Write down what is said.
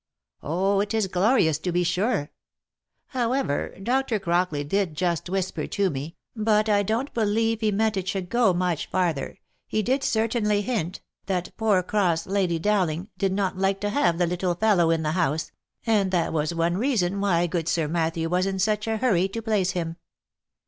Oh ! it is glorious to be sure ! How ever, Dr. Crockley did just whisper to me, but I don't believe he meant it should go much farther, he did certainly hint, that poor cross Lady Dowling, did not like to have the little fellow in the house, and o2 196 THE LIFE AND ADVENTURES that was one reason why good Sir Matthew was in such a hurry to place him."